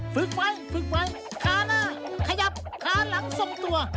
ฝึกไว้ขาหน้าขยับขาหลังส่งตัว